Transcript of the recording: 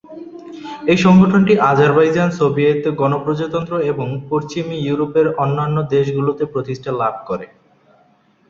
এই সংগঠনটি Azerbaijan, Soviet প্রজাতন্ত্র এবং পশ্চিম ইউরোপের অন্যান্য দেশগুলোতে প্রতিষ্ঠা লাভ করে।